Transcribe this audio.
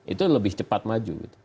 itu lebih cepat maju